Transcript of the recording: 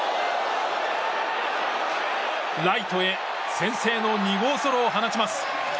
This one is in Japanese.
ライトへ先制の２号ソロを放ちます。